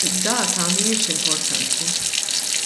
Id-data mhijiex importanti.